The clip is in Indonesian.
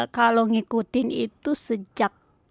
kalau ngikutin itu sejak